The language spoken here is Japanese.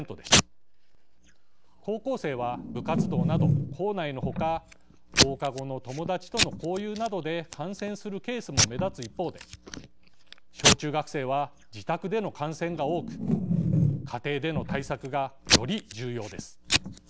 高校生は部活動など校内のほか放課後の友達との交遊などで感染するケースも目立つ一方で小中学生は自宅での感染が多く家庭での対策がより重要です。